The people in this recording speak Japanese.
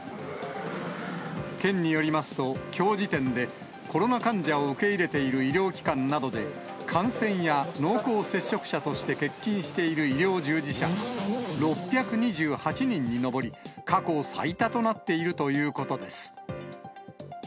県によりますと、きょう時点でコロナ患者を受け入れている医療機関などで、感染や濃厚接触者として欠勤している医療従事者が６２８人に上り、過去最多となっているということです。